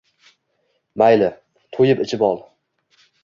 Mayli, to’yib ichib ol.